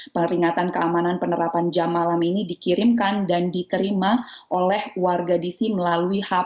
peringatan keamanan penerapan jam malam ini dikirimkan dan diterima oleh warga dc melalui hp